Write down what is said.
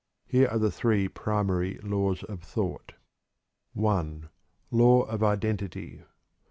Here are the Three Primary Laws of Thought: I. _Law of Identity.